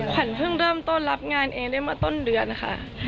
ขวัญเพิ่งเริ่มต้นรับงานเองได้มาต้นเดือนค่ะ